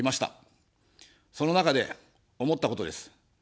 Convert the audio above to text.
その中で思ったことです。